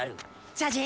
ジャジー！